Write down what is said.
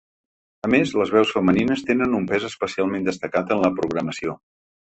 A més, les veus femenines tenen un pes especialment destacat en la programació.